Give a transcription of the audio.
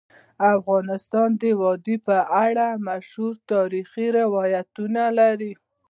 افغانستان د وادي په اړه مشهور تاریخی روایتونه لري.